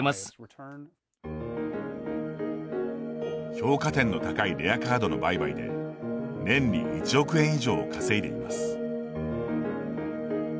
評価点の高いレアカードの売買で年に１億円以上を稼いでいます。